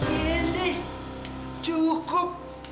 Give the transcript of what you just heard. iya deh cukup